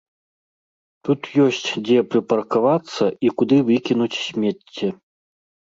Тут ёсць дзе прыпаркавацца і куды выкінуць смецце.